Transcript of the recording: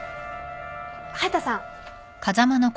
隼田さん。